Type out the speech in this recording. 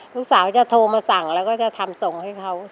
ลูกสาวจะโทรมาสั่งแล้วก็จะทำส่งให้เขา